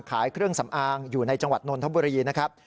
ขายเครื่องสำอางอยู่ในจังหวัดนนทบุรีนะครับ